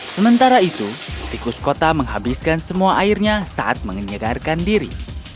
sementara itu tikus kota menghabiskan semua airnya saat menyegarkan diri